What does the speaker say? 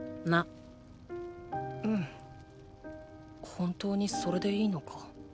本当にそれでいいのか？